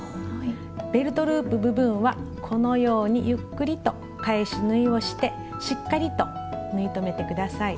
ベルトループ部分はこのようにゆっくりと返し縫いをしてしっかりと縫い留めて下さい。